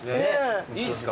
いいですか？